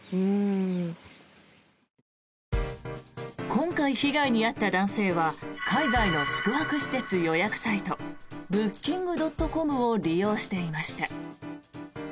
今回被害に遭った男性は海外の宿泊施設予約サイトブッキングドットコムを利用していました。